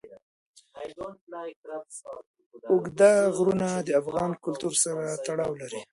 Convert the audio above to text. اوږده غرونه د افغان کلتور سره تړاو لري.